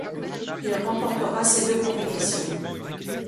Il remportera ces deux compétitions.